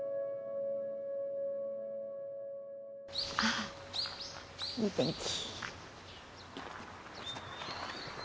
あいい天気。